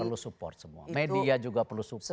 perlu support semua media juga perlu support